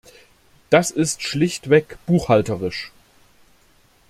Das ist schlichtweg buchhalterisch!